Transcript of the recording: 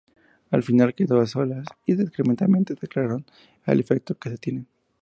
Al final quedan a solas y discretamente se declaran el afecto que se tienen.